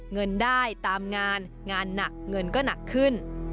เงินได้ตามงานงานหนักเงินก็หนักขึ้น